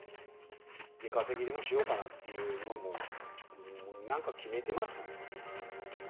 出稼ぎでもしようかなっていうのはもう何か決めてましたね。